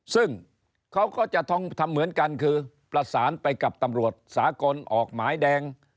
ซึ่งเขาก็จะต้องทำเหมือนกันคือประสานไปกับตำรวจสากลออกหมายแดง